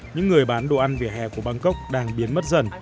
những người bán đồ ăn vỉa hè của bangkok đang biến mất dần